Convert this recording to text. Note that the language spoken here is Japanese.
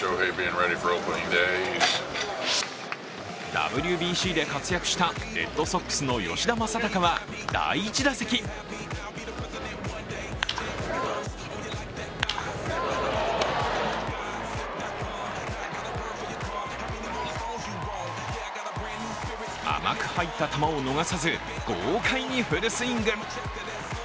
ＷＢＣで活躍したレッドソックスの吉田正尚は第１打席甘く入った球を逃さず豪快にフルスイング。